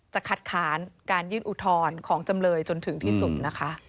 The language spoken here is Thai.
คัดค้านการยื่นอุทธรณ์ของจำเลยจนถึงที่สุดนะคะ